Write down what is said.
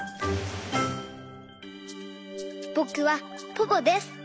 ぼくはポポです。